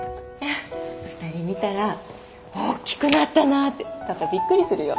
２人見たら大きくなったなってパパびっくりするよ。